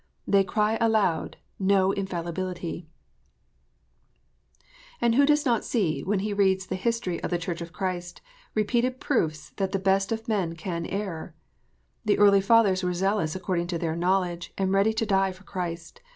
They cry aloud, No infallibility 1 And who does not see, when he reads the history of the Church of Christ, repeated proofs that the best of men can err ? The early fathers were zealous according to their knowledge, and ready to die for Christ.